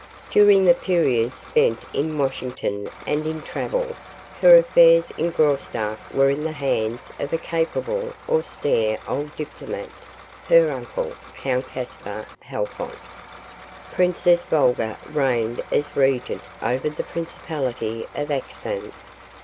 During the periods spent in Washington and in travel, her affairs in Graustark were in the hands of a capable, austere old diplomat her uncle, Count Caspar Halfont. Princess Volga reigned as regent over the principality of Axphain.